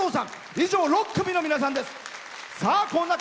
以上、６組の皆さんです。